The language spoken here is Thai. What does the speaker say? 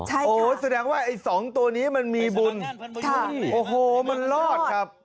ใช่ค่ะโอ้โฮแสดงว่าไอ้สองตัวนี้มันมีบุญโอ้โฮมันรอดครับ